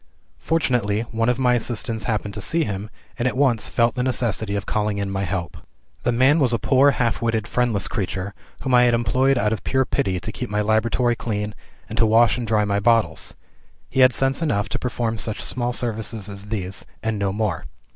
Fortunately one of my assistants happened to see him, and at once felt the necessity of calling in my help. "The man was a poor half witted friendless creature, whom I had employed out of pure pity to keep my laboratory clean, and to wash and dry my bottles. He had sense enough to perform such small services as these, and no more.